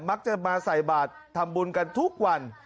มักจะมาใส่บาททำบุญกันทุกวัน